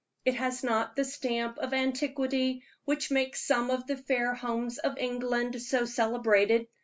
It has not the stamp of antiquity which makes some of the fair homes of England so celebrated.